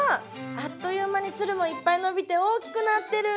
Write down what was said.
あっという間につるもいっぱい伸びて大きくなってる！